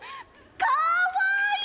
かわいい！